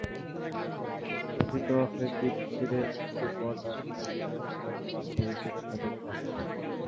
কথিত আছে, কিতফীরের মৃত্যুর পর তার স্ত্রী যুলায়খাকে বাদশাহ ইউসুফের সাথে বিবাহ দেন।